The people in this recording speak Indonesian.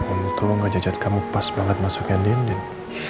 untung aja kamu pas banget masukin andien